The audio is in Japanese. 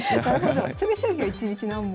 詰将棋は１日何問。